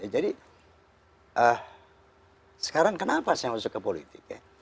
jadi sekarang kenapa saya masuk ke politik